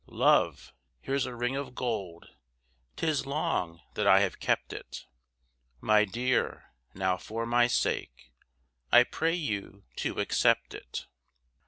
Love, here's a ring of gold, 'Tis long that I have kept it, My dear, now for my sake, I pray you to accept it.